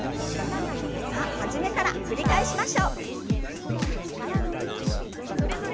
さあ初めから繰り返しましょう。